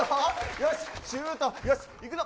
よし、シュート、よし、いくぞ！